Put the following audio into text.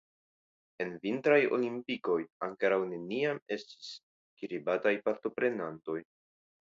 En vintraj olimpikoj ankoraŭ neniam estis kiribataj partoprenantoj.